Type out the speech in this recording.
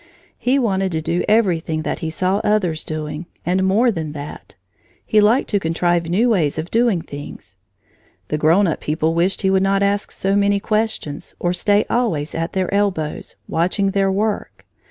He wanted to do everything that he saw others doing, and more than that, he liked to contrive new ways of doing things. The grown up people wished he would not ask so many questions or stay always at their elbows, watching their work.